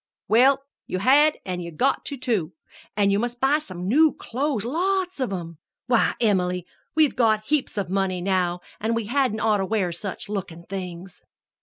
"Well, you had an' you've got to, too. An' you must buy some new clothes lots of 'em! Why, Em'ly, we've got heaps of money now, an' we hadn't oughter wear such lookin' things."